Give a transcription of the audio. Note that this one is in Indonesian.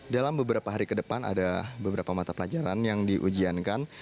dalam beberapa hari ke depan ada beberapa mata pelajaran yang diujiankan